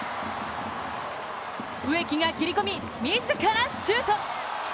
植木が切り込み、自らシュート。